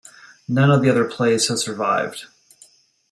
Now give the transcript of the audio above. None of the other plays has survived.